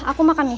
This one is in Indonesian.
aku makan nih